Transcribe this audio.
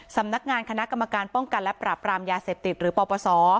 สำนักงานคณะกรรมการป้องกันและปราบรามยาเสพติดหรือปปศ